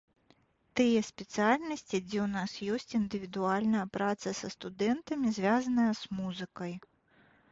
Тыя спецыяльнасці, дзе ў нас ёсць індывідуальная праца са студэнтамі, звязаная з музыкай.